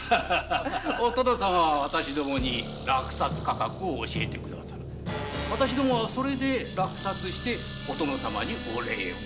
お殿様は落札価格を教えて下さり私どもはそれで落札してお殿様にお礼を。